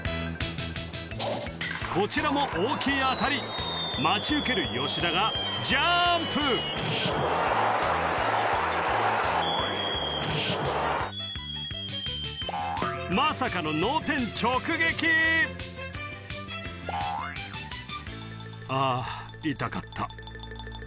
こちらも大きい当たり待ち受ける吉田がジャンプまさかの脳天直撃「あぁ痛かった」